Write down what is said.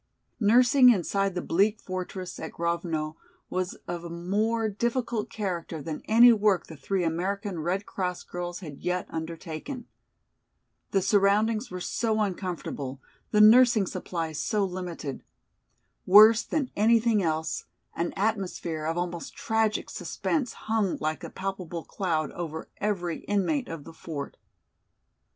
Nursing inside the bleak fortress at Grovno was of a more difficult character than any work the three American Red Cross girls had yet undertaken. The surroundings were so uncomfortable, the nursing supplies so limited. Worse than anything else, an atmosphere of almost tragic suspense hung like a palpable cloud over every inmate of the fort.